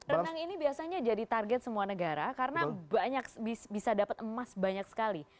renang ini biasanya jadi target semua negara karena bisa dapat emas banyak sekali